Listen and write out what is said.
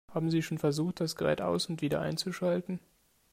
Haben Sie schon versucht, das Gerät aus- und wieder einzuschalten?